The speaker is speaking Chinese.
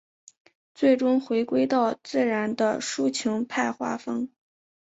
最终回归到自然的抒情派画风。